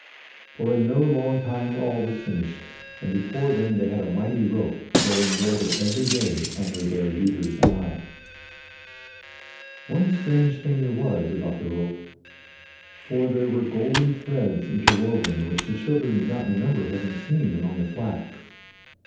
For in no long time all was finished and before them they had a mighty rope growing greater every day under their Leader's eye. One strange thing there was about the rope. For there were golden threads interwoven which the children did not remember having seen among the flax.